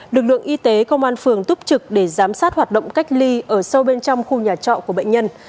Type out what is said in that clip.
lực lượng y tế công an phường túc trực để giám sát hoạt động cách ly ở sâu bên trong khu nhà trọ của bệnh nhân